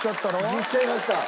じっちゃいました。